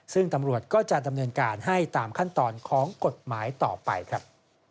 ซึ่งตำรวจก็จะดำเนินการให้ตามขั้นตอนของกฎหมายต่อไปครับ